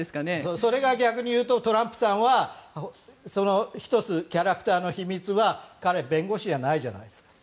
それが逆にいうとトランプさんは１つ、キャラクターの秘密は彼、弁護士ではないじゃないですか。